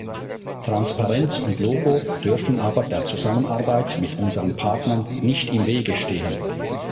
Transparenz und Logo dürfen aber der Zusammenarbeit mit unseren Partnern nicht im Wege stehen.